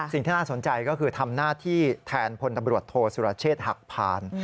สิ่งที่น่าสนใจก็คือทำหน้าที่แทนพลตำรวจโทษสุรเชษฐ์หักผ่าน